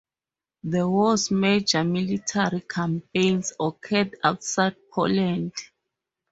The war's major military campaigns occurred outside Poland.